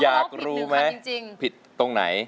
อยากรู้ไหมผิดตรงไหน